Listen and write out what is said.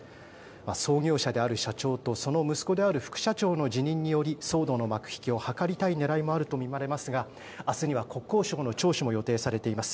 創業者である社長その息子である副社長の辞任により騒動の幕引きを図りたい狙いもあるとみられますが明日には国交省の聴取も予定されています。